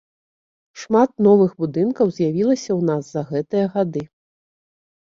Шмат новых будынкаў з'явілася ў нас за гэтыя гады.